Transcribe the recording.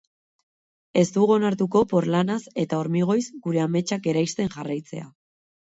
Ez dugu onartuko porlanaz eta hormigoiz gure ametsak eraisten jarraitzea.